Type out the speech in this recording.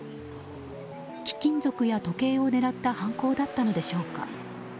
貴金属や時計を狙った犯行だったのでしょうか。